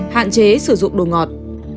hạn chế sử dụng đồ ngọt